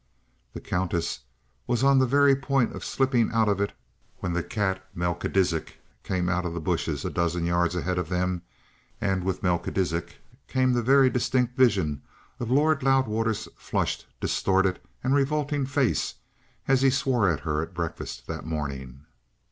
The Countess was on the very point of slipping out of it when the cat Melchisidec came out of the bushes a dozen yards ahead of them, and with Melchisidec came a very distinct vision of Lord Loudwater's flushed, distorted, and revolting face as he swore at her at breakfast that morning.